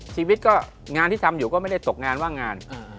ชีวิตก็งานที่ทำอยู่ก็ไม่ได้ตกงานว่างงาน